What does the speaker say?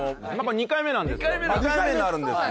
２回目になるんですよ